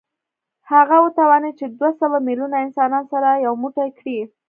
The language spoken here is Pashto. هغه وتوانېد چې دوه سوه میلیونه انسانان سره یو موټی کړي